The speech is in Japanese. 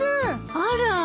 あら。